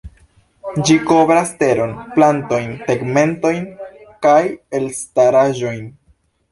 Ĝi kovras teron, plantojn, tegmentojn kaj elstaraĵojn.